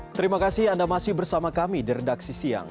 terima kasih anda masih bersama kami di redaksi siang